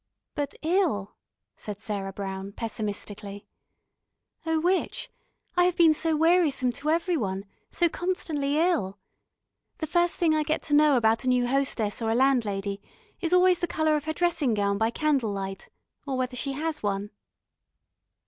"But ill?" said Sarah Brown pessimistically. "Oh, witch, I have been so wearisome to every one, so constantly ill. The first thing I get to know about a new hostess or a landlady is always the colour of her dressing gown by candlelight, or whether she has one."